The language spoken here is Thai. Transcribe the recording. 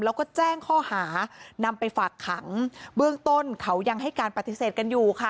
แล้วก็แจ้งข้อหานำไปฝากขังเบื้องต้นเขายังให้การปฏิเสธกันอยู่ค่ะ